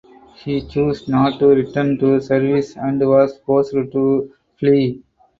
He chose not to return to service and was forced to flee.